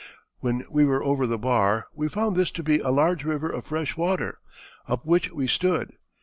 When we were over the bar we found this to be a large river of fresh water, up which we stood.